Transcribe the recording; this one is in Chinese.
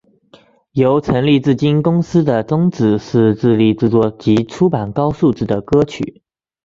由成立至今公司的宗旨是致力制作及出版高质素的歌曲。